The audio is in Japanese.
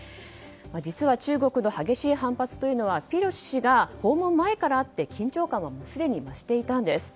実は中国の激しい反発というのはペロシ氏が訪問前からあって緊張感が増していたんです。